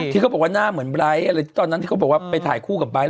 ที่เค้าบอกว่าหน้าเหมือนไบร์ต์ตอนนั้นที่เค้าบอกว่าไปถ่ายคู่กับไบร์ต์